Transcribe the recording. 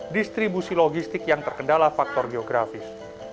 distribusi logistik yang terkendala faktor geografis